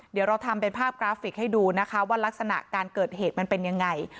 เดี๋ยวเราทำเป็นภาพกราฟิกให้ดูนะคะว่ารักษณะการเกิดเหตุมันเป็นยังไง